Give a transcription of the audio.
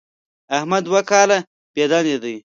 احمد دوه کاله بېدندې دی.